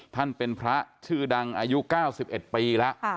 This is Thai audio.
ท่านเป็นพระชื่อดังอายุเก้าสิบเอ็ดปีละอ่า